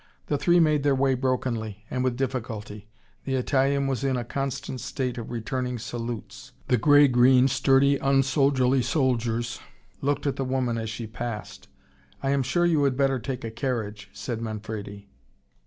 The three made their way brokenly, and with difficulty. The Italian was in a constant state of returning salutes. The grey green, sturdy, unsoldierly soldiers looked at the woman as she passed. "I am sure you had better take a carriage," said Manfredi.